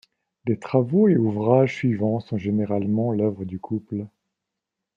Les travaux et ouvrages suivants sont généralement l'œuvre du couple.